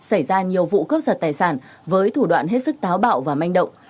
xảy ra nhiều vụ cướp giật tài sản với thủ đoạn hết sức táo bạo và manh động